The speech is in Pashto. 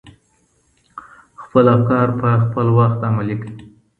خپل افکار په خپل وخت عملي کړئ.